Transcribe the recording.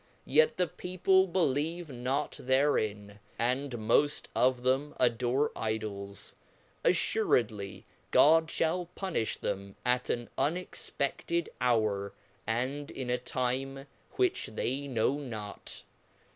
yet the people believe not therein, and moft of them adore Idols ; afTuredly Godfliallpunifluhem at an unexpeded hour, and in a time which they know not.